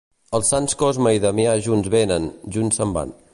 Els sants Cosme i Damià junts venen, junts se'n van.